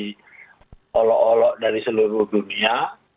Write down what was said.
di olok olok dari seluruh dunia